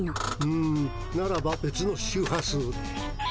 うんならばべつの周波数で。